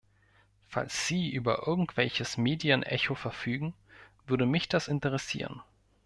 Falls Sie über irgendwelches Medienecho verfügen, würde mich das interessieren.